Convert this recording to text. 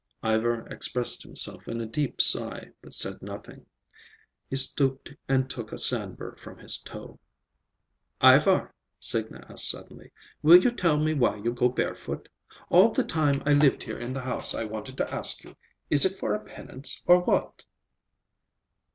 Ivar expressed himself in a deep sigh, but said nothing. He stooped and took a sandburr from his toe. "Ivar," Signa asked suddenly, "will you tell me why you go barefoot? All the time I lived here in the house I wanted to ask you. Is it for a penance, or what?"